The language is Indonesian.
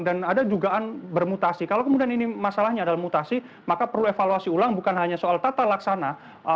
dan ada juga an bermutasi kalau kemudian ini masalahnya dalam mutasi maka perlu evaluasi ulang bukan hanya soal tata laksana